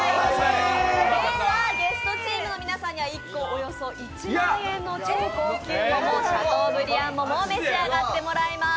では、ゲストチームの皆さんには１個およそ１万円の超高級桃、シャトーブリアン桃を召し上がってもらいます。